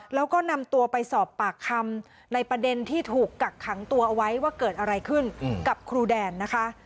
แล้วก็นำตัวไปสอบปากคำในประเด็นที่ถูกกักขังตัวเอาไว้ว่าเกิดอะไรขึ้นกับครูแดนนะคะ